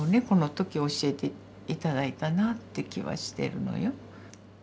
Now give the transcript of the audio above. この時教えて頂いたなって気はしてるのよ。